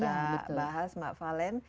kita bahas mbak palen